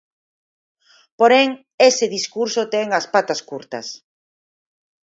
Porén, ese discurso ten as patas curtas.